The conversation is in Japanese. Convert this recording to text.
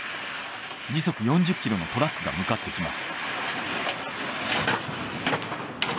時速４０キロのトラックが向かってきます。